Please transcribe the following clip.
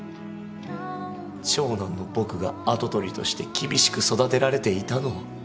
長男の僕が跡取りとして厳しく育てられていたのを。